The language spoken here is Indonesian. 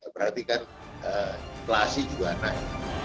berarti kan inflasi juga naik